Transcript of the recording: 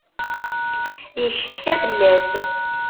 Yeccetka fell-as.